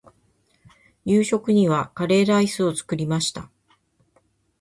夕食にはカレーライスを作りました。